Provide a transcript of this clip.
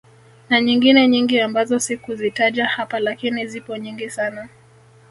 Na nyingine nyingi ambazo sikuzitaja hapa lakini zipo nyingi sana